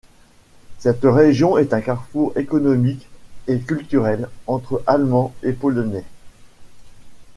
Cette région est un carrefour économique et culturel entre Allemands et Polonais.